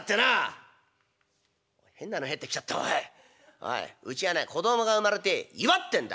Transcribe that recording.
おいうちはね子供が生まれて祝ってんだ」。